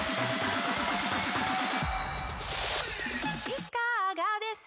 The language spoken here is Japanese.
「いかがです」